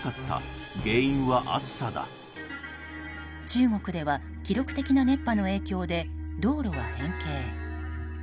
中国では記録的な熱波の影響で道路は変形。